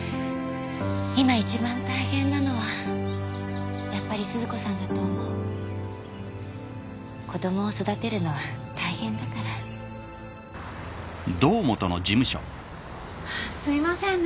今一番大変なのはやっぱり鈴子さんだと思う子どもを育てるのは大変だからすいませんね